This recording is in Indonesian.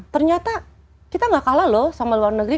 ternyata kita gak kalah loh sama luar negeri